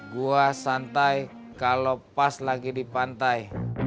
gua santai kalau pas lagi di pantai